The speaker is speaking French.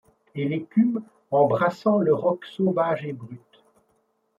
Et l’écume embrassant le roc sauvage et brut